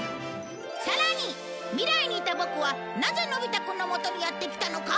さらに未来にいたボクはなぜのび太くんのもとにやって来たのか？